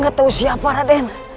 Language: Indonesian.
gatau siapa rade